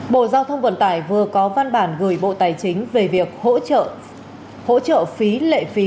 bộ giao thông vận tải vừa có văn bản gửi bộ tài chính về việc hỗ trợ phí lệ phí